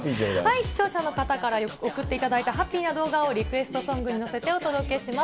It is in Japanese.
視聴者の方から送っていただいたハッピーな動画をリクエストソングに乗せてお伝えします。